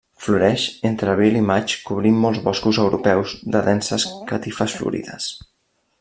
Floreix entre abril i maig cobrint molts boscos europeus de denses catifes florides.